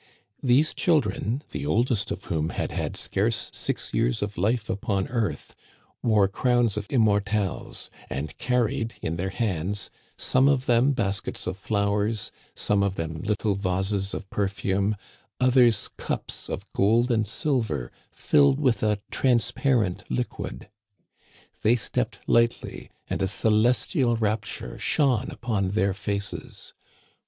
These children, the old est of whom had had scarce six years of life upon earth, wore crowns of immortelles and carried in their hands, some of them baskets of flowers, some of them lit tle vases of perfume, others cups of gold and silver filled with a transparent liquid. They stepped lightly, and a celestial rapture shone upon their faces.